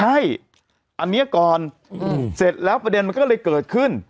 ใช่อันนี้ก่อนเสร็จแล้วประเด็นมันก็เลยเกิดขึ้น